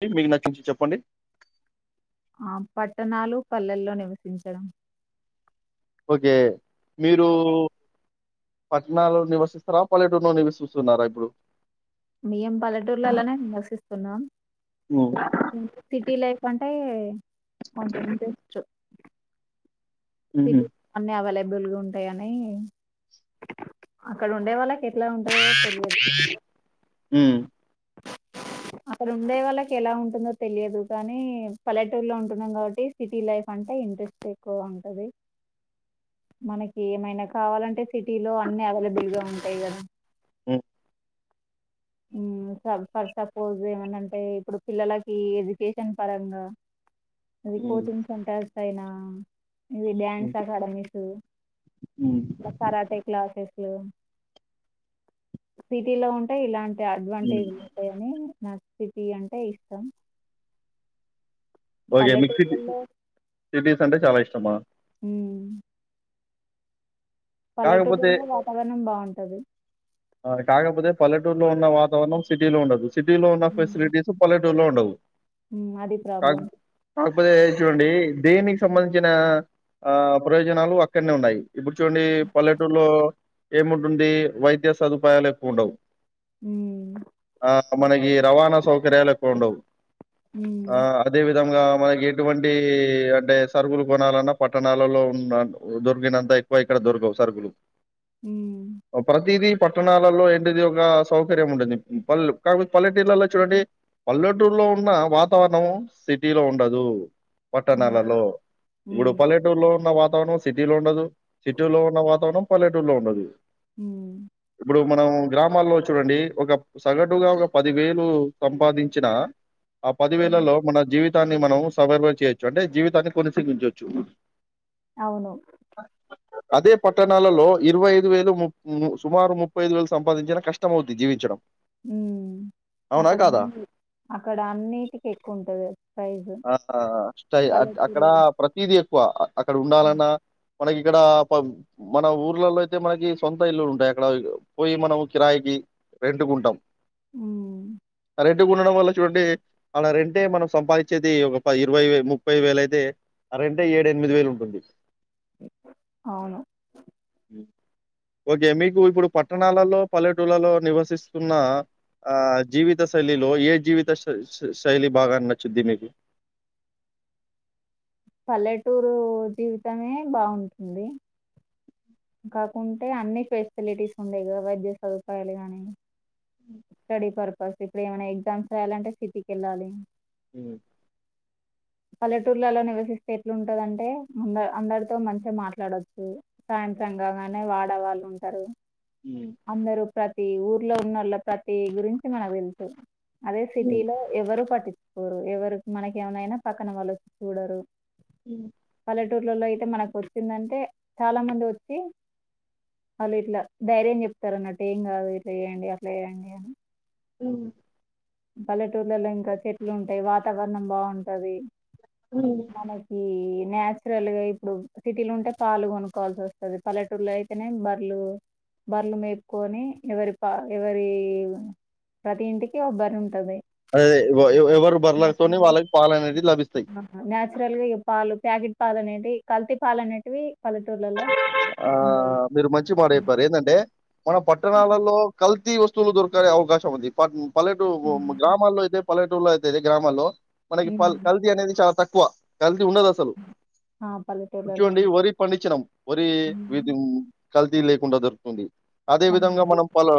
మీకు మీకు నచ్చించి చెప్పండి. ఆ పట్టణాలు పల్లెల్లో నివసించడం. ఓకే మీరూ పట్నాలలొ నివసిస్తరా పల్లెటూరులో నివసిస్తున్నారా ఇప్పుడు? మేం పల్లెటూర్లలోనే నివసిస్తున్నాం. హ్మ్. హ్మ్ సిటీ లైఫ్ అంటే [unintelligible] హుహు. సిటీ అన్నీ అవైలబ్ బుల్గ ఉంటాయనీ, అక్కడ ఉండేవాళ్ళకి ఎట్లా ఉంటాయో తెలియ [inaudible] హ్మ్ అక్కడ ఉండేవాల్లకి ఎలా ఉంటుందో తెలియదు కానీ, పల్లెటూర్లో ఉంటున్నాం గావట్టి సిటీ లైఫ్ అంటే ఇంట్రెస్ట్ ఎక్కువగా ఉంటది. మనకి ఏమైనా కావాలంటే సిటీలో, అన్ని అవైలబుల్ గా ఉంటాయి కదా మ్ మ్ ఫర్ సపోజ్ ఏమనంటే ఇప్పుడు పిల్లలకి ఎడ్యుకేషన్ పరంగా అది హ్మ్. కోచింగ్ సెంటర్ సైనా ఇది హ్మ్. డ్యాన్స్ అకాడమీస్ హ్మ్. ట్ల కరాటే క్లాసెస్ సిటీ లో ఉంటే ఇలాన్ ఈ హ్మ్. అడ్వాంటేజ్ లు ఉంటాయి అని నా సిటీ అంటే ఇష్టం ఓకే మీక్ సిటీ పల్లెటూర్లలో సిటీస్ అంటే చాలా ఇష్టమా ఉమ్ కాకపోతే పల్లెటూరులలో వాతావరణం బాం న్ టది ఆ కాకపోతే పల్లెటూరులో ఉన్న వాతావరణం సిటీలో ఉండదు సిటీ లో ఉన్న ఫెసిలిటీస్ పలె ట్ టూర్ లో ఉండవ్ హ్మ్ అది ప్రాబ్లం కాకపోతే చూడండి దేనికి సంబంధించిన ఆ ప్రయోజనాలు అక్కడనే ఉన్నాయి. ఇప్పుడు చూడండి పల్లెటూరులో ఏముంటుంది వైద్య సదుపాయాలు ఎక్కువ ఉండవ్ ఉమ్ ఆ మనకి రవాణా స్ సౌకర్యాల్ ఎక్కువ ఉండవ్ ఉమ్ ఆ అదే వి నిజంగా మనకి ఎటువంటి అంటే సరుకులు కొనాలన్నా, పట్టణాలలో ఉన్న దొరికినంత ఎక్కువ ఇక్కడ దొరకవు సరుకులు. ఉమ్ ఒ ప్రతిది పట్టణాలలో ఏంటిది ఒక సౌకర్యం ఉండుంది, పల్ కాకపో పల్లెటూరులలో చూడండి, పల్లెటూరులో ఉన్న వాతావరణం సిటీలో ఉండదు. పట్టణాలలో, ఇప్పుడు ఉమ్ పల్లెటూరులో ఉన్న వాత్ తావరణం సిటీలో ఉండదు, సిటీ లో ఉన్న వాతావరణం పల్లెటూరులో ఉండదు. హుమ్ ఇప్పుడు మనం గ్రామాల్లో చూడండి, ఒక సగటుగా ఒక పది వేలు సంపాదించిన, ఆ పది ఉమ్ వేలలో మన జీవితాన్ని మనం సవర్వ చేయొచ్చు అంటే జీవితాన్ని కొనసాగించోచ్చు. అవును అదే పట్టణాలలో ఇరవై ఐదు వేలు ముప్ న్ సుమారు ముప్పై ఐదు వేలు సంపాదించినా కష్టంమవుద్ది జీవించడం మ్మ్ అవునా అక్కడ కాదా ఉంది అక్కడ అన్నిటికి ఎక్కువ ఉంటది ప్రైజు ఆ పల పిల్లలు వా అక్కడ ఉండాలన్నా మనకి ఇక్కడ ప మన ఊర్లలో అయితే మనకి సొంత ఇల్లులు ఉంటాయి ఇక్కడ పోయి మనం కిరాయికి రెంటుకుంటాం మ్మ్ రెంటుకు ఉండడం వల్ల చూడండి అలా రెంటే మనం సంపాదించేది ఒక ప ఇరవై ముప్పై వేల అయితే ఆ రెంటే ఏడు ఎనిమిది వేలు ఉంటుంది అవును ఓకే మీ ఇప్పుడు పట్టణాలలో పల్లెటూళ్లలో నివసిస్తున్న ఆ జీవిత శైలిలో ఏ జీవిత శై శైలి బాగా నచ్చుద్ది మీకు పల్లెటూరు జీవితమే బాగుంటుంది కాకుంటే అన్ని ఫెసిలిటీస్ ఉండేయి కదా వైద్య సదుపాయాలు కానీ స్టడీ పర్పస్ ఇప్పుడు ఏమైనా ఎగ్జామ్స్ రాయాలంటే సిటీకెళ్ళాలి మ్మ్ పల్లెటూర్లలో నివసిస్తే ఎట్లుంటదంటే అంద అందరితో మంచిగా మాట్లాడొచ్చు సాయన్ యంత్రంకాగానే వాడ వాళ్ళు ఉంటారు హ్మ్. అందరు ప్రత్ ప్రతి ఊర్లో ఉన్నోళ్ళ ప్రతి గురించి మనకు తెల్సు అదే హ్మ్. సిటీలో ఎవరు పట్టిచ్ కోరు ఎవరు మనక ఏమన్నయినా పక్కన వాళ్ళు వచ్చి చూడరు మ్మ్ పల్లెటూర్లలో అయితే మనకు వచ్చిందంటే చాలా మంది వొ చ్చి వాళ్ళు ఇట్లా ధైర్యం చెప్తారు అన్నట్టు ఏం కాదు ఇట్లా చేయండి అట్లా చేయండి అని మ్మ్ పల్లెటూర్లలో ఇంకా చెట్లు ఉంటాయి వాతావరణం బాగుంటది మ్మ్ కీ ఈ నచురల్ గా ఇప్పుడు సిటీలుంటే పాలు కొనుక్కోవాల్సి వస్తది పల్లెటూరులో అయితేనే బర్లు బర్లు మేపుకొని ఎవరి ఎవరి ప్రతి ఇంటికి ఓ బర్ ఉంటది అదేదే ఎవ ఎవరు బర్లేతోని వాళ్ళకి పాలనేది లభిస్ ఆహా న్యాచురల్ గా పాలు ప్యాకిట్ పా పాలనేటివి కల్తీ పాలనేటివి పలెటూర్లలో ఆ మీరు మంచి మాట చెప్పారు ఏందంటే మన పట్టణాలలో కల్ ప్రతి వస్తువులు దొరకే అవకాశం ఉంది ప ఉ పల్లెటూరు గ్రామాల్లో అయితే పల్లెటూరులో అయితే అతే గ్రామాల్లో మనకి ఉమ్ పల్ కల్తీ అనేది చాలా తక్ క్కువ కల్ తి ఉండదసలు ఆ పల్లెటూర్లలో కుచ్చోండి ఉండవు. వరి పండిచ్చినం వరి విధిం కల్తీ లేకుండా దొరుకుతుంది అదే విధంగా మనం పలు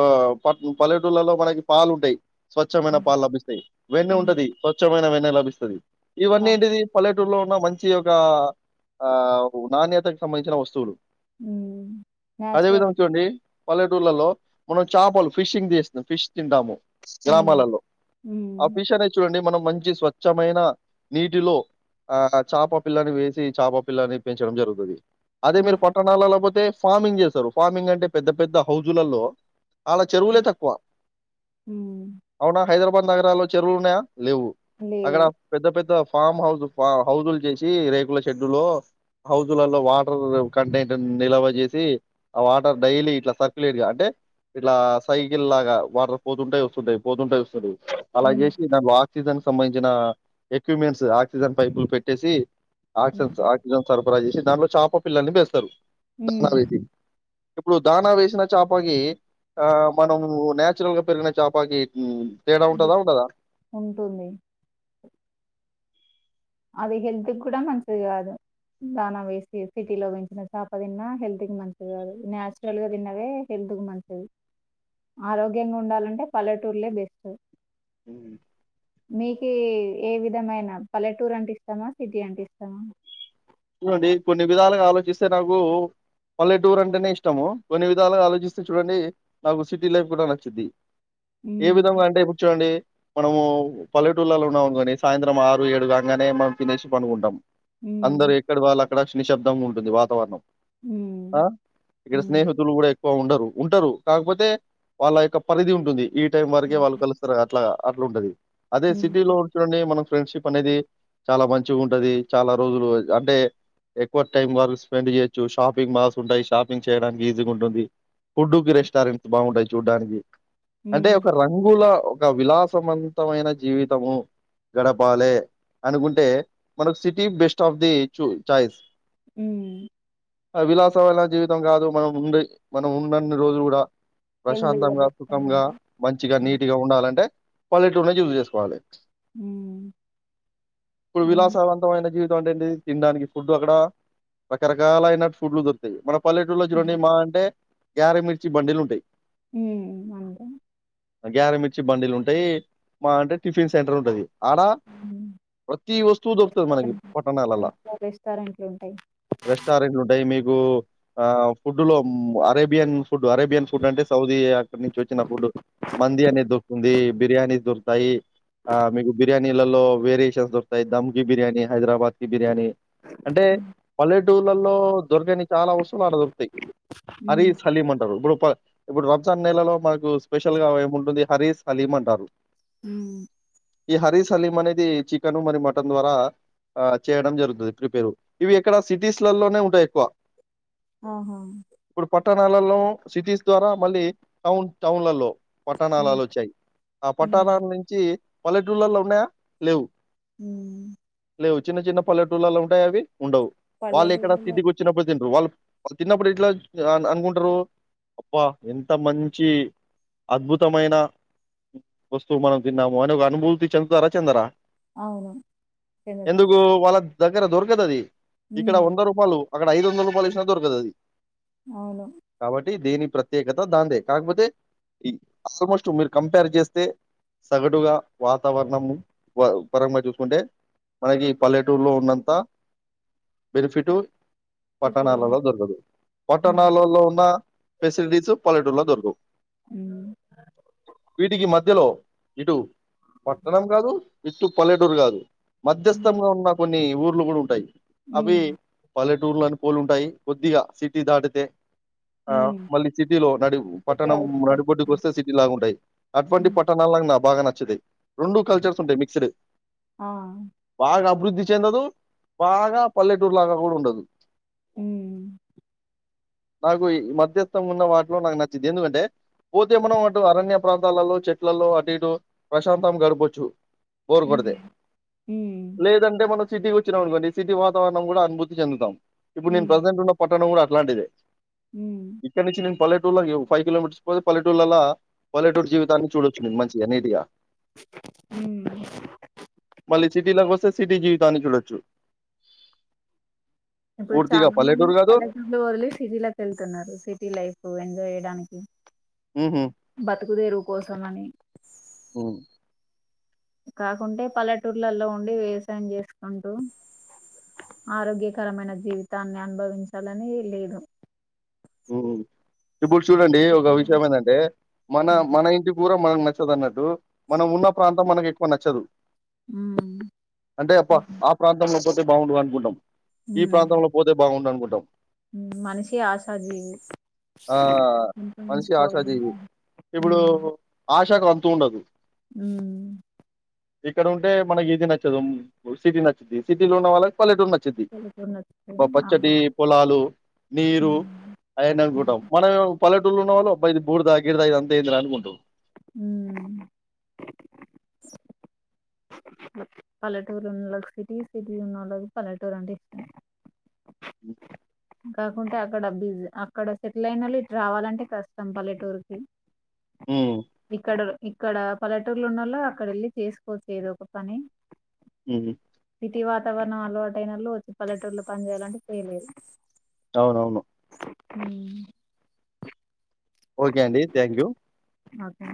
పల్ పల్లెటూళ్లలో మనకి పాలుంటాయి స్వచ్ఛమైన పాలు లభిస్తాయి వెన్న ఉమ్ ఉంటది స్వచ్ఛమైన వెన్ ల లభిస్తది ఆ ఇవన్నీ ఏంటిదీ పలెట్ టూరు లో ఉన్నా మంచి ఒకా, ఆ నాణ్యతకి సంబంధించిన వస్తువులు. హ్మ్ న్యాచురల్. అదేవిధంగ చూడండీ పలెట్ టూర్లలో మనం చాపలు ఫిషింగ్ది చేస్తం ఫిష్ తింటాము. హ్మ్. గ్రామాలలో ఆ హ్మ్. ఫిష్ అనేద్ చూడండి మనం మంచి స్వచ్ఛమైనా నీటిలో ఆ చాప పిల్లని వేసి చాపపిల్లని పెంచడం జరుగుతది. అదే హ్మ్. మీరు పట్ లేకపోతే ఫార్మింగ్ చేస్తరు. ఫార్మింగ్ అంటే పెద్ద పెద్ద హౌజులల్లో. ఆడ చెరువులే తక్కువ. హ్మ్. అవునా హైదరాబాద్ నగరాల్లో చెరువులు ఉన్నయా. లేవు. లేవు. అక్కడా పెద్ద పెద్ద ఫామ్ హౌజు ఫా హౌజుల్ చేశీ, రేకుల షెడ్డు లో, హౌజలలో వాటర్ కంటైనర్ నిల్వ చేశీ. ఆ వాటర్ డైలీ ఇట్లా సర్కు్యులేట్ గా అంటే, ఇట్లా సైకిల్ లాగా వాటర్ పోతుంటయ్ వస్తుంటయ్ పోతుంటయ్ వస్తుడు అలాగ్ హ్మ్. చేశి దాంట్లో ఆక్సిజన్క్ సంబంధించినా ఎక్విప్మెంట్స్ ఆక్సిజన్ పైపులు పెట్టేసీ. ఆక్సన్స్ హ్మ్. ఆక్సిజన్ సర్ఫ్ ఫరా చేశి దాంట్లో చాప పిల్లల్ని పెంచ్ తరు హ్మ్. దానాలకి ఇప్పుడు దానా వేశిన చాపకీ, ఆ మనమూ నేచురల్గ పెరిగిన చాపకీ ఊ ఉంటుంది. అది హెల్త్ క్కూడా మంచిది గాదు. దాన వేసి సిటీలో పెంచిన చాప తిన్నా హెల్త్ కి మంచిది గాదు. నాచురల్ గా తిన్నవే హెల్త్ కు మంచిది. ఆరోగ్యంగ ఉండాలంటే పల్లెటూర్లే బెస్ట్. హ్మ మీకీ ఏ విధమైన పల్లెట్ టూర్ అంటే ఇష్టమా, సిటీ అంటే ఇష్టమా. చూడండీ కొన్ని విధాలుగా ఆలోచిస్తే నాకూ, పల్లెటూర్ అంటనే ఇష్టమూ. కొన్ని విధాలుగా ఆలోచిస్తే చూడండీ నాకు సిటీ లైఫ్ గూడా నచ్చుద్ది. ఏ హ్మ్. విధముగా అంటే ఇపుడు చూడండీ. మనమూ పల్లెటూళ్ళలో ఉన్నాము అనుకోండీ సాయంత్రం ఆరు ఏడు కాంగానే మనం తినేశీ పనుకుంటం. అందరు హ్మ్. ఎయిట్ క్లాక్ అక్కడా నిశబ్దం ఉంటుంది వాతావరణం. ఆ హ్మ్. ఇక్కడ హ్మ్. స్నేహితులు గూడా ఎక్కువ ఉండరు. ఉంటరూ కాకపోతే వాళ్ళ యొక్క పరిధి ఉంటుంది. ఈ టైం వరకే వాళ్ళు కలుస్తరు అట్లాగా. అట్ల ఉంటది. అదే హ్మ్. సిటీలో చుడండి మనం ఫ్రెండ్షిప్ అనేది చాలా మంచిగా ఉంటది చాలా రోజులు అంటే ఎక్కువ టైం వర స్పెండ్ చేయొచ్చు షాపింగ్ మాల్స్ ఉంటాయి షాపింగ్ చేయడానికి ఈజీగా ఉంటుంది ఫుడ్కి రెస్టారెంట్స్ బాగుంటాయి చూడ్డానికి అంటే హ్మ్. ఒక రంగుల ఒక విలాసవంతమైన జీవితము గడపాలి అనుకుంటే మనకు సిటీ బెస్ట్ ఆఫ్ ది చు చయి అ ఆ విలాసం వైన జీవితం కాదు మనం ఉండే మనం ఉండన్ని రోజులు కూడా హెల్తీగా ప్రశాంతంగా బతకడం సుఖంగా అంటే మంచిగా నీటుగా ఉండాలంటే పల్లెటూళ్ళో చూజ్ చేసుకోవాలి హ్మ్. ఇప్పుడు అన్ విలాస వంతమైన జీవిత వండండి తినడానికి ఫుడ్ అక్కడ రకరకాలైనటు ఫుడ్లు దొరుతాయి మనం పల్లెటూలో చూండి మా అంటే గ్యారమిర్చి బండిలు ఉంటాయి ఉ మండి గ్యారమిర్చి బండీలు ఉంటాయి మా అంటే టిఫిన్ సెంటర్ ఉంటది ఆడ హ్మ్. ప్రతి వస్తువు దొకుతది మనకి పట్టణాల ఎలా రెస్టారెంట్ ఎక్కువ రెస్టారెంట్లుంటాయి. రెస్టారెంట్లు ఉంటాయి మీకు ఆ ఫుడ్ లో అరేబియన్ ఫుడ్ అరేబియన్ ఫుడ్ అంటే సౌదీ అక్కడ నుంచి వచ్చిన ఫుడ్ మంది అనేది దొరుకుతుంది బిర్యానీ దొరు తాయి మీకు బిర్యానీలలో వేరియేషన్స్ దొస్తాయి దమ్ కి బిర్యానీ హైదరాబాద్ కి బి అంటే హ్మ్. పల్లెటూర్లలో దొరకని చాలా వస్తువులు అడ దొరుకుతాయి హరీ హ్మ్. సలీం అంటారు ఇప్పుడు ఇప్పుడు రంజాన్ నెలలో మనకు స్పెషల్ గా ఏము ఉంటుంది హరీస్ హలీం అంటారు ఉ ఈ హరీస్ సలీం అనేది చికెన్ మరి మటన్ ద్వారా ఆ చేయడం జరుగుతుంది పేరు ఇవి ఇక్కడ సిటీస్ లలోనే ఉంటాయి ఎక్కువ ఆహా ఇప్పుడు పట్టణాలలో సిటీస్ ద్వారా మళ్ళీ టౌన్ టౌన్లలో హ్మ్. పట్టణాలాలు వచ్చాయి ఆ హ్మ్. పట్టణాల నుంచి పల్లెటుళ్ళలో ఉన్నాయా లేవు ఉ లేవు చిన్న చిన్న పల్ల లూల్లలో ఉంటాయా అవి ఉండవు వాళ్ళు ఎక్కడ పల్లెటూరులో స్థితికి వచ్చినప్పుడు తినరు వాళ్ళు వాళ్ళు తిన్నప్పుడు ఇట్లా అనుకుంటారు అబ్బా ఎంత మంచి అద్భుతమైన వస్తువు మనం తిన్నాము అని ఒక అనుభూతి చెందుతారా చెందరా అవును తెలీదా ఎందుకు వాళ్ళ దగ్గర దొరకదది ఇక్కడ వంద రూపాయలు అక్కడ ఐదు వందల రూపాయలు ఇచ్చిన దొరకదు అది అవును దేని ప్రత్యేకత దాందే కాకపోతే ఫస్ట్ మీరు కంపేర్ చేస్తే సగటుగా వాతావరణం పరంగా చూసుకుంటే మనకి పల్లెటూలో ఉన్నంత బెనిఫిట్ సిటీలో పట్టణాలలో దొరకదు హ్మ్. పట్టణాలలో ఉన్న ఫెసిలిటీస్ పల్లెటూర్ లో దొరకవ్ హ్మ్. వీటికి మధ్యలో ఇటు పట్టణం కాదు ఇట్టు పల్లెటూర్గాదు హ్మ్. మధ్యస్థంగా ఉన్న కొన్ని ఊర్లు కూడా ఉంటాయి అవి హ్మ్. పల్లె టూర్ పోలుంటాయి కొద్దిగా సిటీ దాటితే ఆ హ్మ్. మళ్ళీ సిటీలో నడి సిటీ పట్టణం ఔట్‌కట్ నడిబొడ్డుకి వస్తే సిటీ లాగా ఉంటాయి అటువంటి హ్మ్. పట్టణాల నా బాగా నచ్చ చ్చది రెండు కల్చర్స్ ఉంటాయి మిక్స్డ్ ఆ! బాగా వృద్ది చెందదు బాగా పల్లెటూరు లాగా కూడా ఉండదు హ్మ్ నాకు ఈ మధ్యస్థం ఉన్న వాటిలో నాకు నచ్చింది ఎందుకంటే పోతే మనం అటు అరణ్య ప్రాంతాలలో చెట్లలో అటు ఇటు ప్రశాంతం గడపొచ్చు హ్మ్. బోరుకొడితే హ్మ్. లేదంటే మనకు సిటీకి వచ్చినం అనుకోండి సిటి వాతారణం కూడా అనుభూతి చెందుతాం ఇప్పుడు నేను హ్మ్. ప్రెసెంట్ ఉన్న పట్టణం కూడా ఇట్టాంటిదే హ్మ్. ఇకనించి నే పలెట్ ఫైవ్ కిలోమీటర్స్ పోతే పల్లెటూలల్లా పల్లెటూర్ జీవితాన్ని చూడొచ్చు మంచిగా నీట్గా హ్మ్. మళ్ళీ సిటీలోకొస్తే సిటి జీవి దాన్ని చూడొచ్చు ఇప్పుడు పూర్తిగా చాలా మంది పల్లెటూరు కాదు పల్లెటూర్లు వదిలేసి సిటీలకి వెళ్తున్నారు సిటీ లైఫ్ ఎంజాయ్ డానికి ఉహు బతుకుదెరువు కోసం అని హ్మ్, కాకుంటే పల్లెటూర్లలో ఉండి వ్యవసాయం చేసుకుంటూ ఆరోగ్యకరమైన జీవితాన్ని అనుభవించాలని లేదు ఉమ్ ఇప్పుడు చూడండి ఒక విషయం ఏంటంటే మన మన ఇంటి పూరం మనకు నచ్చదు అన్నట్టు. మనం ఉన్న ప్రాంతం మనకు ఎక్కువ నచ్చదు. ఉమ్ అంటే పా ఆ ప్రాంతంలో పోతే బాగుండు అనుకుంటం. ఈ ప్రాంతంలో పోతే బాగుండు అనుకుం టం. మనషీ ఆస్ ఉంటది. ఆ! మనిషి ఆశాజీవి. [inaudible] హ్ తూండదు. హ్ ఇక్కడ ఉంటే మనకి ఇది నచ్చదు సిటీ నచ్చుద్ది. సిటీ లో ఉన్న వాళ్ళకు పల్లెటూరు నచ్చిద్ది. పల్లెటూరులో పచ్చటి పొలాలు, నీరు ఉమ్ [inaudible] అనుకుంటం మనమేమో పల్లెటూర్లో ఉన్నవాళ్ళు అబ్బ ఇది బూరుదా గిరిదా ఇదంతా ఎందిరా అనుకుంటరు. హ్ పల్లెటూర్లో ఉన్నోళ్లకు సిటీ, సిటీ ఉన్నోళ్ళకి పల్లెటూరు అంటే ఇష్టం. హ్ కాకుంటే అక్కడ బిజ అక్కడ సెటిల్ అయినోళ్ళు ఇటు రావాలంటే కష్టం పల్లెటూరుకిి. హ్మ్ ఇక్కడ ఇక్కడ పల్లెటూర్ల ఉన్నోల్లు అక్కడ వెళ్ళి చేసుకోవచ్చు ఎదో ఒక పని. హ్మ్ సిటీ వాతావర నం అలవాటయినోళ్ళు వచ్చి పల్లెటూరులో పని చేయాలంటే చేయలేరు. అవునవును. హ్ ఓకే అండి థ్యాంక్యూ. ఓకే